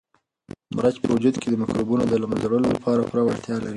مرچ په وجود کې د مکروبونو د له منځه وړلو لپاره پوره وړتیا لري.